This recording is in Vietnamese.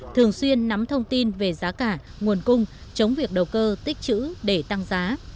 thường xuyên nắm thông tin về giá cả nguồn cung chống việc đầu cơ tích chữ để tăng giá